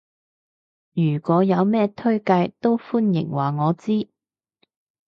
如果有咩推介都歡迎話我知